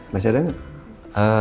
masih ada nggak